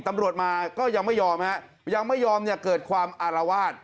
ตำรวจมาก็ยังไม่ยอมฮะยังไม่ยอมเนี่ยเกิดความอารวาส